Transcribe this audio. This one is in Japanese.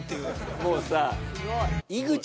もうさ。